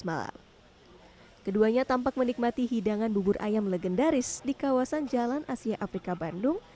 malam keduanya tampak menikmati hidangan bubur ayam legendaris di kawasan jalan asia afrika bandung